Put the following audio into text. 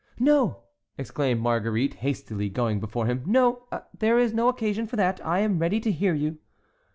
"No!" exclaimed Marguerite, hastily going before him,—"no! there is no occasion for that; I am ready to hear you."